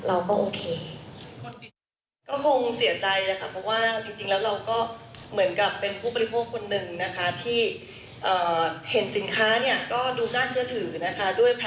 อะไรสงสัยเราโทรถาม